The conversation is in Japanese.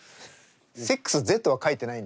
「セックスぜ」とは書いてない。